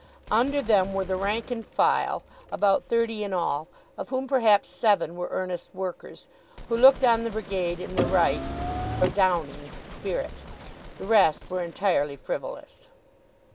Under them were the rank and file, about thirty in all, of whom perhaps seven were earnest workers, who looked on the Brigade in the right, or Downing, spirit. The rest were entirely frivolous.